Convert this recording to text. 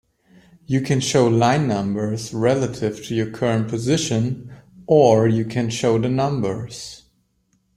You can show line numbers relative to your current position, or you can show the numbers.